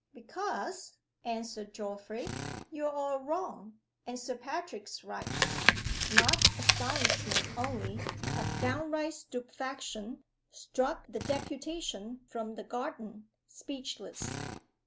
"Because," answered Geoffrey, "you're all wrong. And Sir Patrick's right." Not astonishment only, but downright stupefaction, struck the deputation from the garden speechless.